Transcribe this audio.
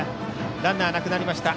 ランナーなくなりました。